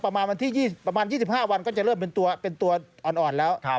ประมาณวันที่ยี่สิบประมาณยี่สิบห้าวันก็จะเริ่มเป็นตัวอ่อนแล้ว